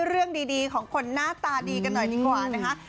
เรื่องดีของคนหน้าตาดีกันหน่อยดีกว่านะคะ